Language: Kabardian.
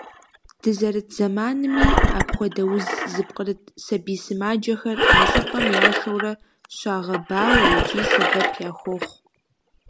Дызэрыт зэманми, апхуэдэ уз зыпкърыт сабий сымаджэхэр а щӀыпӀэм яшэурэ щагъэбауэ икӀи сэбэп яхуохъу.